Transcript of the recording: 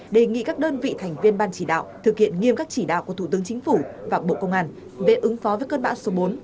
đề nghị các đơn vị thành viên ban chỉ đạo thực hiện nghiêm các chỉ đạo của thủ tướng chính phủ và bộ công an về ứng phó với cơn bão số bốn